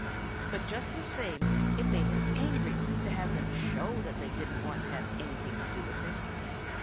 But just the same it made him angry to have them show that they didn't want to have anything to do with him.